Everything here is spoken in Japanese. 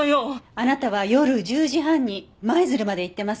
あなたは夜１０時半に舞鶴まで行ってますよね？